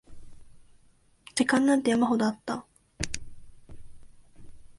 時間なんて山ほどあった